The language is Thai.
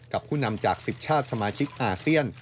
ผู้นำจาก๑๐ชาติสมาชิกอาเซียน